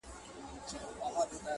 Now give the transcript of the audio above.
کنې پاته یې له ډلي د سیلانو,